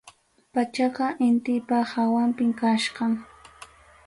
Pachaqa intipa hawanpim kachkan.